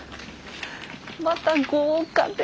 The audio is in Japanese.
また豪華ですね。